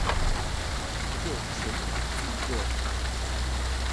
就前款著作